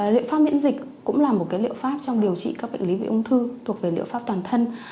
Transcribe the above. liệu pháp miễn dịch cũng là một liệu pháp trong điều trị các bệnh lý về ung thư thuộc về liệu pháp toàn thân